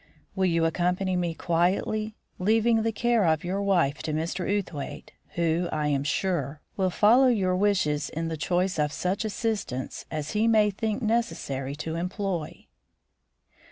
Will you accompany me quietly, leaving the care of your wife to Mr. Outhwaite, who, I am sure, will follow your wishes in the choice of such assistants as he may think necessary to employ?"